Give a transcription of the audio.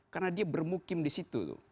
karena dia bermukim di situ